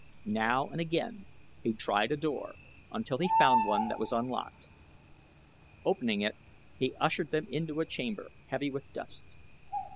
Now and again he tried a door until he found one that was unlocked. Opening it he ushered them into a chamber, heavy with dust.